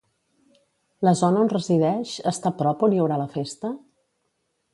La zona on resideix està prop on hi haurà la festa?